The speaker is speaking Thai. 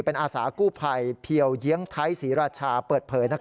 เป็นอาสากู้ภัยเพียวเยียงไทยศรีราชาเปิดเผย